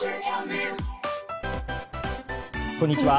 こんにちは。